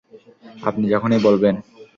আপনি যখনই বলবেন।